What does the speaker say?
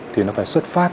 thì nó phải xuất phát